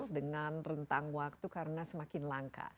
dengan rentang waktu karena semakin langka